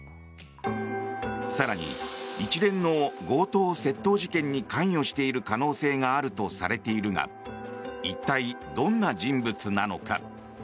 更に一連の強盗・窃盗事件に関与している可能性があるとされているが一体、どんな人物なのか。